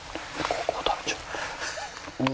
ここ食べちゃおう。